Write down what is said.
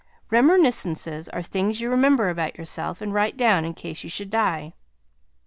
Remerniscences are things you remember about yourself and write down in case you should die.